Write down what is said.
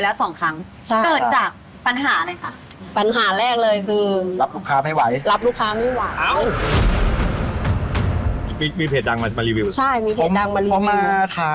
บางคนจอดแต่ว่าไปดีกว่าจอดหนาว่างแล้วก็ไปอะไร